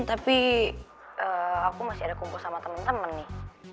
tapi aku masih ada kumpul sama temen temen nih